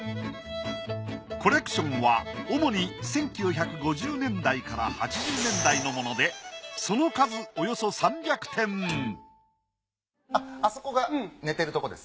コレクションは主に１９５０年代から８０年代のものでその数あそこが寝てるとこです。